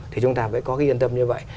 thì chúng ta vẫn có yên tâm như vậy